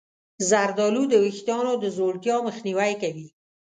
زردآلو د ویښتانو د ځوړتیا مخنیوی کوي.